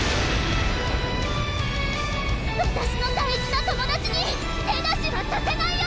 わたしの大事な友達に手出しはさせないよ！